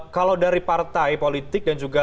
kalau dari partai politik dan juga